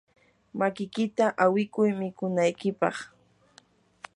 makiykita awikuy mikunaykipaq.